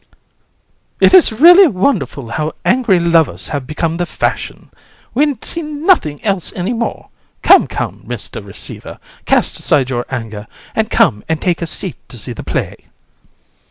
COUN. It is really wonderful how angry lovers have become the fashion! We see nothing else anywhere. Come, come, Mr. Receiver, cast aside your anger, and come and take a seat to see the play.